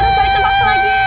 ibu terus tarik nafas lagi